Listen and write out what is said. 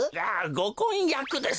ごこんやくです。